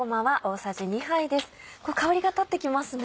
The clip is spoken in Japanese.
香りが立ってきますね。